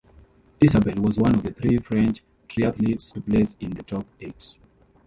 Isabelle was one of the three French triathletes to place in the top eight.